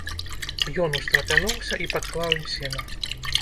Ён устрапянуўся і падклаў ім сена.